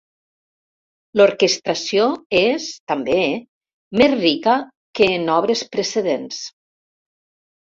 L'orquestració és, també, més rica que en obres precedents.